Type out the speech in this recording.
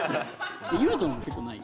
優斗のも結構ない？